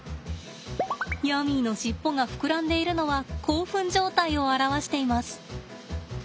ヤミーの尻尾が膨らんでいるのは興奮状態を表しています。